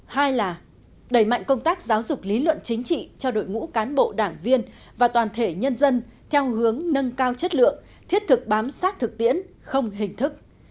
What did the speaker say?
hai là đẩy mạnh công tác giáo dục lý luận chính trị cho đội ngũ cán bộ đảng viên và toàn thể nhân dân theo hướng nâng cao chất lượng thiết thực bám sát thực tiễn không hình thức